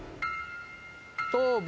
頭部。